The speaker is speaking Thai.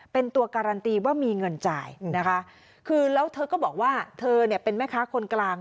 เป็นตัวการันตีว่ามีเงินจ่ายนะคะคือแล้วเธอก็บอกว่าเธอเนี่ยเป็นแม่ค้าคนกลาง